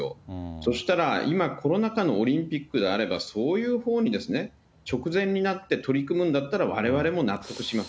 そしたら、今、コロナ禍のオリンピックであれば、そういうほうに、直前になって取り組むんだったら、われわれも納得します。